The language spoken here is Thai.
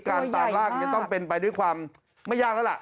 การตามล่างจะต้องเป็นไปด้วยความไม่ยากแล้วล่ะ